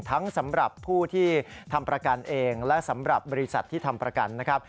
สำหรับผู้ที่ทำประกันเองและสำหรับบริษัทที่ทำประกันนะครับ